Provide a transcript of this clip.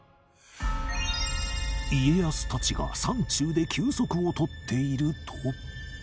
家康たちが山中で休息を取っていると